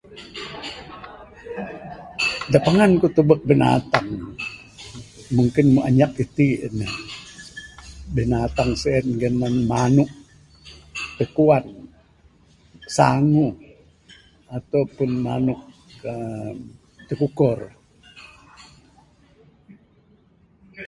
Da pangan ku tubek binatang mungkin mbuh anyap itin neh. Binatang sien biganan manuk ukuan, sanguh, ataupun manuk aaa tikukor.